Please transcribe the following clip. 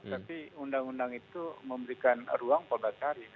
tapi undang undang itu memberikan ruang empat belas hari